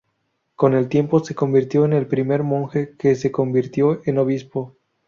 Con el tiempo se convirtió en el primer monje que se convirtió en obispo.